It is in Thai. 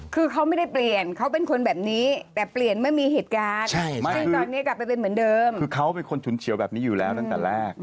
คือเขาเป็นคนฉุนเฉียวแบบนี้อยู่แล้วตั้งแต่แรก